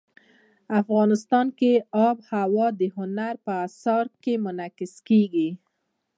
افغانستان کې آب وهوا د هنر په اثار کې منعکس کېږي.